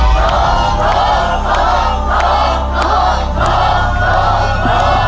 หุ่นหุ่นหุ่นหุ่น